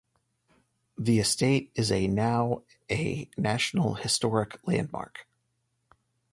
The estate is a now a National Historic Landmark.